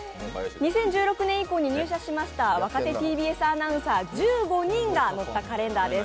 ２０１６年以降に入社しました若手ＴＢＳアナウンサー、１５人が載ったカレンダーです。